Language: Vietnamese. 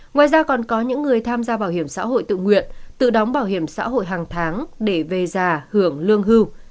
ngoài ra còn có những người tham gia bảo hiểm xã hội tự nguyện tự đóng bảo hiểm xã hội hàng tháng để về già hưởng lương hưu